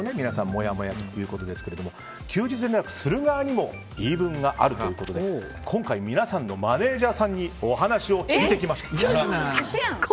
もやもやということですけれども休日連絡する側にも言い分があるということで今回、皆さんのマネジャーさんにお話を聞いてきました。